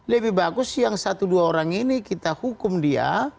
lebih bagus yang satu dua orang ini kita hukum dia